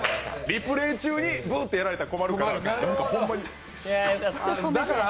リプレイ中にブッてやられたら困るから。